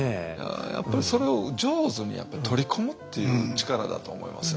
やっぱりそれを上手に取り込むっていう力だと思いますよ。